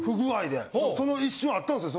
その一瞬あったんですよ